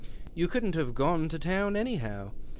You couldn't liave gone to town, anyhow.